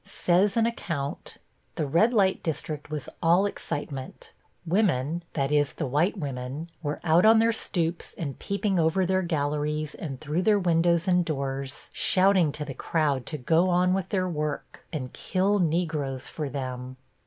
Says an account: The red light district was all excitement. Women that is, the white women were out on their stoops and peeping over their galleries and through their windows and doors, shouting to the crowd to go on with their work, and kill Negroes for them.